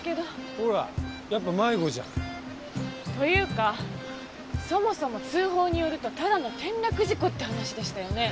ほらやっぱ迷子じゃん。というかそもそも通報によるとただの転落事故って話でしたよね？